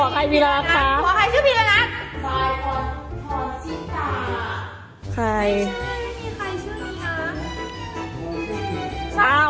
กลับมารมันทราบ